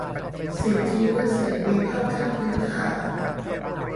สิทธิและเสรีภาพขั้นพื้นฐาน